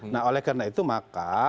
nah oleh karena itu maka